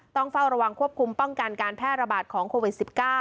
ต้องเฝ้าระวังควบคุมป้องกันการแพร่ระบาดของโควิด๑๙